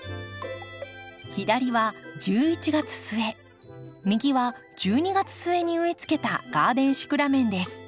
左は１１月末右は１２月末に植えつけたガーデンシクラメンです。